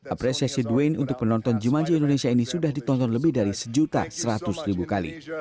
apresiasi dwene untuk penonton jumanji indonesia ini sudah ditonton lebih dari satu seratus kali